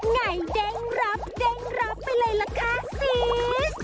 ไงเด้งรับเด้งรับไปเลยล่ะค่ะซีส